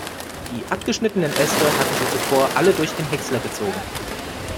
Die abgeschnittenen Äste hatten sie zuvor alle durch den Häcksler gezogen.